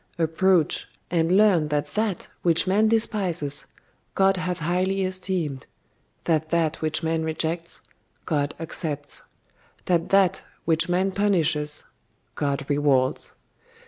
Approach, and learn that that which man despises, God hath highly esteemed; that that which man rejects, God accepts; that that which man punishes, God rewards.